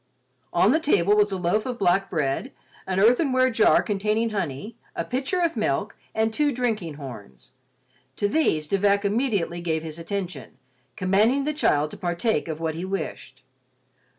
On the table were a loaf of black bread, an earthenware jar containing honey, a pitcher of milk and two drinking horns. To these, De Vac immediately gave his attention, commanding the child to partake of what he wished.